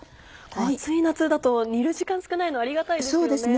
暑い夏だと煮る時間少ないのはありがたいですよね。